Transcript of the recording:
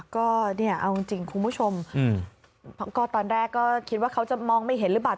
คุณผู้ชมตอนแรกก็คิดว่าเขาจะมองไม่เห็นหรือเปล่า